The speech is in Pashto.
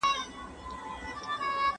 زه اوږده وخت خبري کوم.